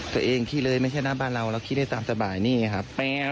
ตัวเองขี้เลยไม่ใช่หน้าบ้านเราเราขี้ได้ตามสบายนี่ครับ